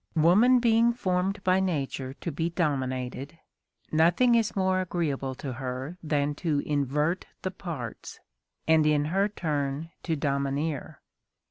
Woman being formed by nature to be dominated, nothing is more agreeable to her than to invert the parts, and in her turn to domineer.